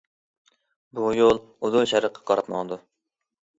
بۇ يول ئۇدۇل شەرققە قاراپ ماڭىدۇ.